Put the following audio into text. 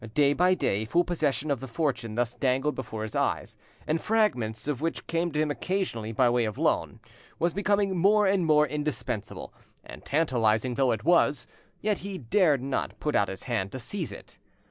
Day by day full possession of the fortune thus dangled before his eyes, and fragments of which came to him occasionally by way of loan, was becoming more and more indispensable, and tantalising though it was, yet he dared not put out his hand to seize it.